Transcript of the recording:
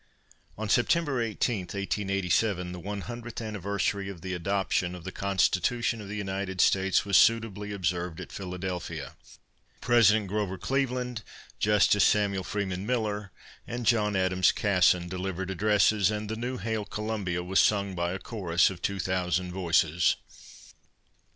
On September 18, 1887, the one hundredth anniversary of the adoption of the Constitution of the United States was suitably observed at Philadelphia. President Grover Cleveland, Justice Samuel Freeman Miller, and John Adams Kasson delivered addresses, and "The New Hail Columbia" was sung by a chorus of two thousand voices.